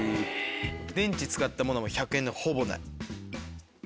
電池使ったものの１００円のほぼない。